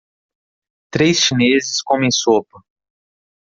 três chineses comem sopa.